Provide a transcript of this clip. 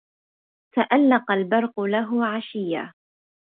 تألق البرق له عشيا